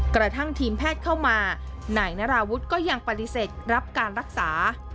กระทั่งทีมแพทย์เข้ามานายนาราวุฒิก็ยังปฏิเสธรับการรักษา